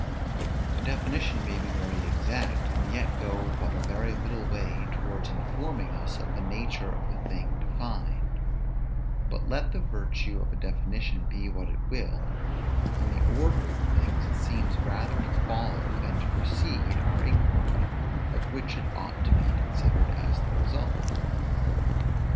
A definition may be very exact, and yet go but a very little way towards informing us of the nature of the thing defined; but let the virtue of a definition be what it will, in the order of things, it seems rather to follow than to precede our inquiry, of which it ought to be considered as the result.